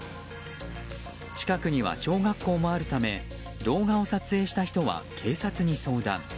近くには小学校もあるため動画を撮影した人は警察に相談。